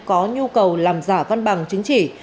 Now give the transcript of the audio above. có nhu cầu làm giả văn bằng chứng chỉ